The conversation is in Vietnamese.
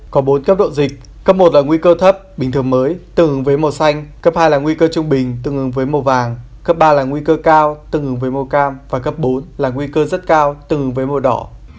có bốn cấp độ dịch cấp một là nguy cơ thấp bình thường mới từng với màu xanh cấp hai là nguy cơ trung bình tương ứng với màu vàng cấp ba là nguy cơ cao tương ứng với màu cam và cấp bốn là nguy cơ rất cao từ với màu đỏ